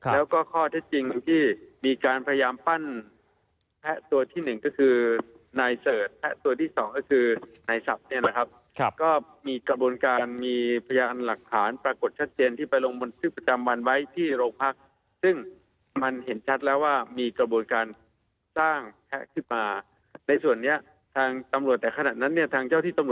แล้วก็ข้อเท็จจริงที่มีการพยายามปั้นแพะตัวที่หนึ่งก็คือนายเสิร์ชตัวที่สองก็คือนายศัพท์เนี่ยนะครับก็มีกระบวนการมีพยานหลักฐานปรากฏชัดเจนที่ไปลงบนทึกประจำวันไว้ที่โรงพักซึ่งมันเห็นชัดแล้วว่ามีกระบวนการสร้างแพะขึ้นมาในส่วนนี้ทางตำรวจแต่ขณะนั้นเนี่ยทางเจ้าที่ต